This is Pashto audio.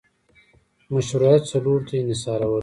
مشروعیت څلورو ته انحصارول